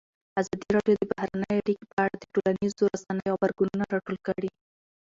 ازادي راډیو د بهرنۍ اړیکې په اړه د ټولنیزو رسنیو غبرګونونه راټول کړي.